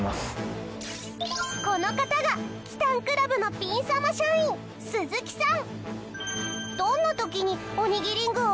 この方がキタンクラブのピン様社員鈴木さん。